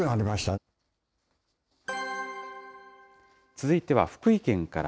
続いては、福井県から。